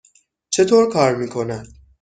چطور کار می کند؟